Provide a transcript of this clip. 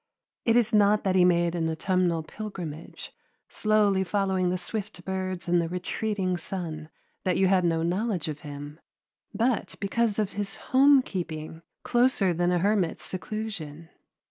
It is not that he made an autumnal pilgrimage, slowly following the swift birds and the retreating sun, that you had no knowledge of him, but because of his home keeping, closer than a hermit's seclusion.